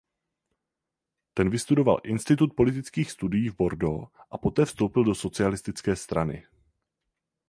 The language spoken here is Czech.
Ten vystudoval "Institut politických studií" v Bordeaux a poté vstoupil do socialistické strany.